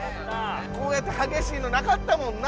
こうやってはげしいの無かったもんな。